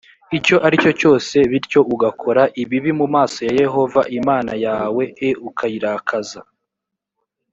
icyo ari cyo cyose bityo ugakora ibibi mu maso ya yehova imana yawe e ukayirakaza